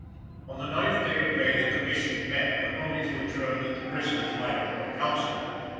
On the ninth day of May the Commission met but only to adjourn that the prisoners might employ counsel.